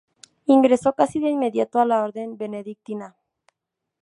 Ingresó casi de inmediato a la orden benedictina.